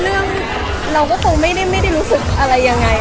เรื่องเราก็คงไม่ได้รู้สึกอะไรยังไง